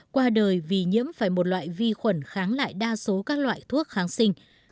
qua đời vì nhiễm phải một loại vi khuẩn kháng lại đa số các loại thuốc kháng sinh